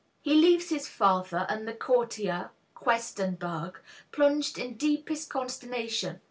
He leaves his father and the courtier, Questenberg, plunged in deepest consternation.